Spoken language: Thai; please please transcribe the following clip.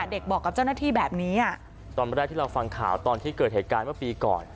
เด็กบอกกับเจ้าหน้าที่แบบนี้ตอนแรกที่เราฟังข่าวตอนที่เกิดเหตุการณ์เมื่อปีก่อน